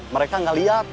mereka nggak lihat